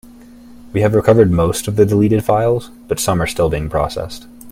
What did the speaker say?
We have recovered most of the deleted files, but some are still being processed.